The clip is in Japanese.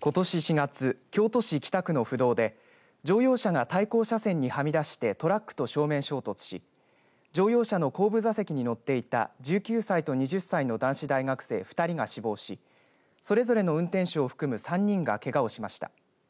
ことし４月、京都市北区の府道で乗用車が対向車線にはみ出してトラックと正面衝突し乗用車の後部座席に乗っていた１９歳と２０歳の男子大学生２人が死亡しそれぞれの運転手を含む３人がけがをしました。